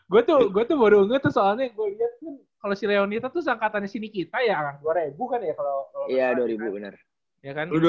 gue tuh baru ngetuh soalnya gue liat kan kalo si leonita tuh seangkatannya si nikita ya dua ribu kan ya kalo